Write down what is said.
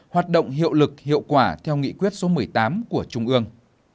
hoạt động hiệu lực hiệu quả theo nghị quyết số một mươi tám của trung ương